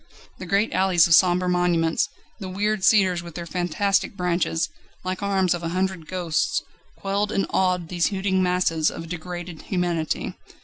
The great alleys of sombre monuments, the weird cedars with their fantastic branches, like arms of a hundred ghosts, quelled and awed these hooting masses of degraded humanity.